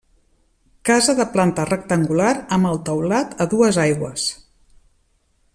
Casa de planta rectangular amb el teulat a dues aigües.